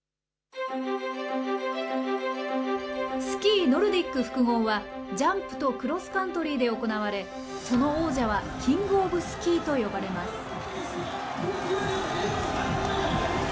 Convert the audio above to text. スキーノルディック複合は、ジャンプとクロスカントリーで行われ、その王者はキングオブスキーと呼ばれます。